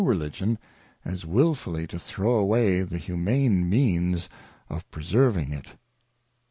eligionj^as wilfully to throw away the Humane Means oi preserving it.